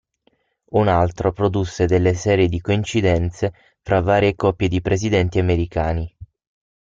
Un altro produsse delle serie di coincidenze fra varie coppie di presidenti americani.